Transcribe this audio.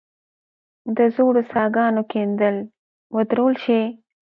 د ژورو څاه ګانو کیندل ودرول شي.